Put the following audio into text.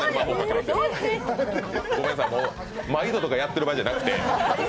ごめんなさい、まいど！とかやってる場合じゃなくて。